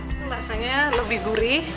rasanya lebih gurih